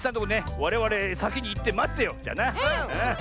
われわれさきにいってまってよう。